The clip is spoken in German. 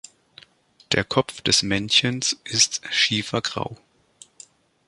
Der Kopf des Männchens ist schiefergrau.